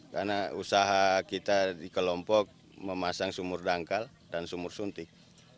karena usaha kita di kelompok memasang sumur dangkal dan sumur suntik